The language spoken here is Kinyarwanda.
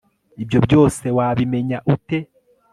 Ibyo byose wabimenya ute